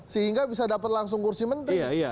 sehingga bisa dapat langsung kursi menteri